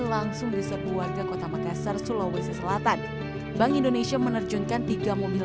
langsung diserbu warga kota makassar sulawesi selatan bank indonesia menerjunkan tiga mobil